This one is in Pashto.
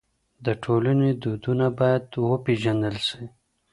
د ټولني دودونه بايد وپېژندل سي.